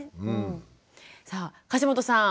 さあ樫本さん